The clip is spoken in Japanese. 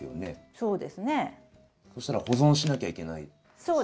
そしたら保存しなきゃいけないですね。